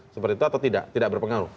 seperti itu atau tidak tidak berpengaruh